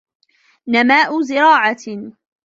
نَمَاءُ زِرَاعَةٍ